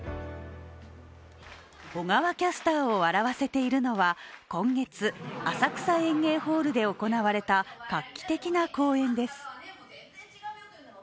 小川キャスターを笑わせているのは今月浅草演芸ホールで行われた画期的な公演です。